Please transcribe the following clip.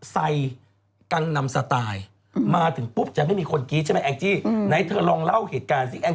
ใส่กันนำสไตล์มาถึงปุ๊บจะไม่มีคนกรี๊ดใช่ไหมแองจี้ไหนเธอลองเล่าเหตุการณ์สิ